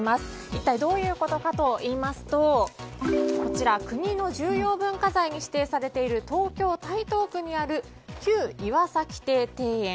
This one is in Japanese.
一体どういうことかといいますと国の重要文化財に指定されている東京・台東区にある旧岩崎邸庭園。